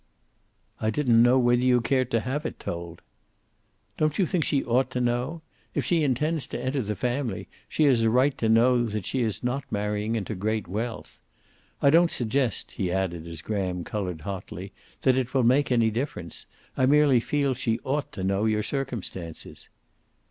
"I didn't know whether you cared to have it told." "Don't you think she ought to know? If she intends to enter the family, she has a right to know that she is not marrying into great wealth. I don't suggest," he added, as Graham colored hotly, "that it will make any difference. I merely feel she ought to know your circumstances."